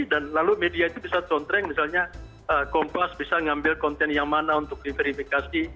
dan lalu media itu bisa conteng misalnya kompas bisa ngambil konten yang mana untuk diverifikasi